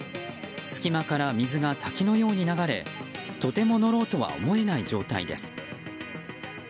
隙間から水が滝のように流れとても乗ろうとは思えない状態です。